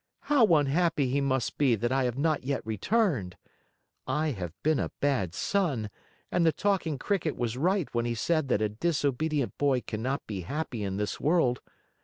How unhappy he must be that I have not yet returned! I have been a bad son, and the Talking Cricket was right when he said that a disobedient boy cannot be happy in this world.